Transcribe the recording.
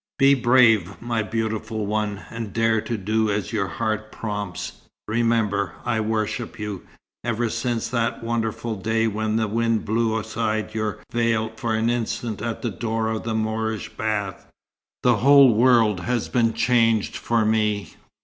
"Be brave, my beautiful one, and dare to do as your heart prompts. Remember, I worship you. Ever since that wonderful day when the wind blew aside your veil for an instant at the door of the Moorish bath, the whole world has been changed for me.